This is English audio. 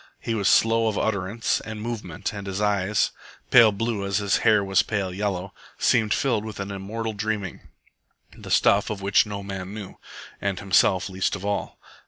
He was slow of utterance and movement, and his eyes, pale blue as his hair was pale yellow, seemed filled with an immortal dreaming, the stuff of which no man knew, and himself least of all.